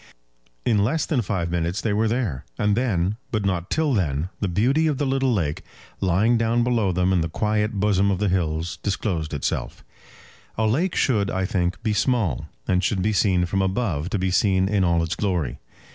In less than five minutes they were there; and then, but not till then, the beauty of the little lake, lying down below them in the quiet bosom of the hills, disclosed itself. A lake should, I think, be small, and should be seen from above, to be seen in all its glory.